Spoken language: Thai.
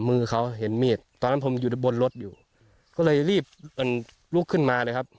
มือเขาเห็นมีดตอนนั้นผมอยู่บนรถอยู่ก็เลยรีบลุกขึ้นมาเลยครับ